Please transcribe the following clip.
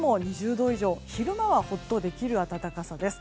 度以上昼間はほっとできる暖かさです。